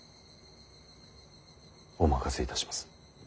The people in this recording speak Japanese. お任せいたします。